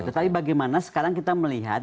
tetapi bagaimana sekarang kita melihat